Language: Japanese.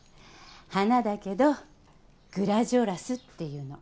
花だけどグラジオラスっていうの